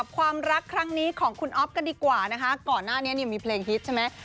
ก่อนหน้านี้มีเพลงฮิตใช่ไหม